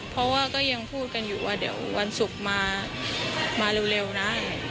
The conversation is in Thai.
เพราะว่าก็ยังพูดกันอยู่ว่าเดี๋ยววันศุกร์มาเร็วนะ